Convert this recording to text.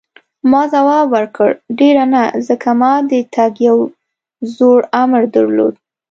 ما ځواب ورکړ: ډېر نه، ځکه ما د تګ یو زوړ امر درلود.